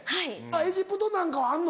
エジプトなんかはあんの？